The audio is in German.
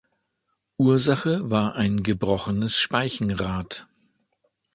Ursache war ein gebrochenes Speichenrad.